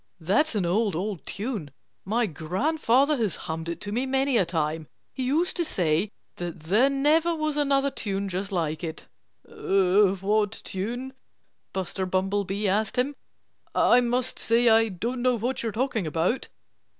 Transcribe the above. "That's an old, old tune. My grandfather has hummed it to me many a time. He used to say that there never was another tune just like it." "What tune?" Buster Bumblebee asked him. "I must say I don't know what you're talking about."